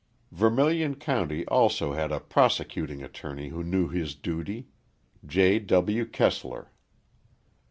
Vermilion County also had a prosecuting attorney who knew his duty J. W. Keeslar.